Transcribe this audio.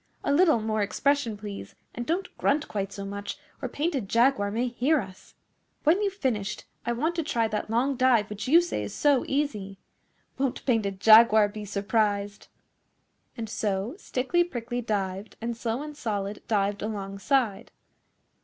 A little more expression, please, and don't grunt quite so much, or Painted Jaguar may hear us. When you've finished, I want to try that long dive which you say is so easy. Won't Painted Jaguar be surprised!' And so Stickly Prickly dived, and Slow and Solid dived alongside.